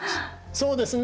そうですね。